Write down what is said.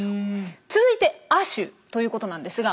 続いて亜種ということなんですが